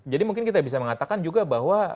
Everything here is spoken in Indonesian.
jadi mungkin kita bisa mengatakan juga bahwa